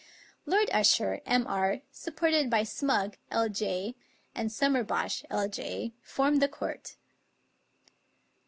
Lord Usher, M.R., supported by Smugg, LJ,, and Sum merbosh, L.J., formed the court.